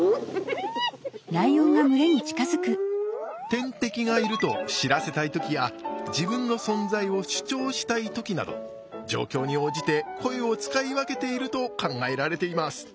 天敵がいると知らせたい時や自分の存在を主張したい時など状況に応じて声を使い分けていると考えられています。